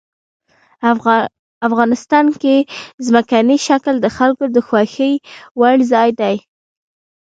افغانستان کې ځمکنی شکل د خلکو د خوښې وړ ځای دی.